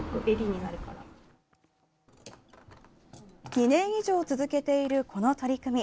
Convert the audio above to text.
２年以上続けているこの取り組み。